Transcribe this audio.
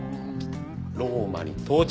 ローマに到着。